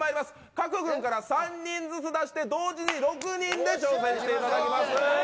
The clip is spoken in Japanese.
各軍から３人ずつ出して同時に６人で挑戦してもらいます。